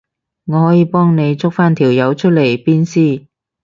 我可以幫你捉返條友出嚟鞭屍